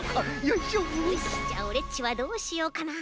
よしじゃあオレっちはどうしようかな？